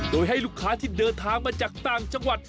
โดยให้ลูกค้าที่เดินทางมาจากต่างจังหวัด